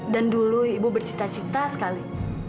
dan dulu ibu bercita cita sekali